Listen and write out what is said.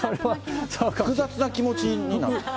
複雑な気持ちに。